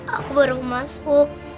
aku baru mau masuk